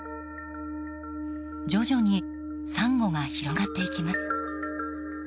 徐々にサンゴが広がっていきます。